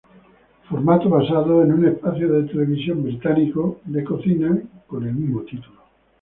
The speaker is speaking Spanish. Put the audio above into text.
Formato basado en espacio de televisión británico de cocina con el mismo título.